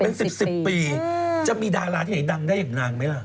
เป็น๑๐ปีจะมีดาราที่ไหนดังได้อย่างนางไหมล่ะ